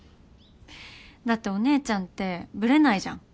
だってお姉ちゃんってブレないじゃん。